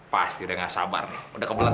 pasti udah gak sabar udah kebulan